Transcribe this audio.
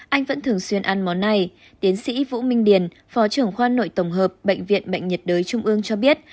anh vẫn thường xuyên ăn món này tiến sĩ vũ minh điền phó trưởng khoa nội tổng hợp bệnh viện bệnh nhiệt đới trung ương cho biết